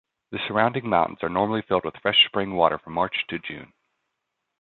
The surrounding mountains are normally filled with fresh spring water from March to June.